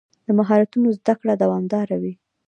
د مهارتونو زده کړه دوامداره وي.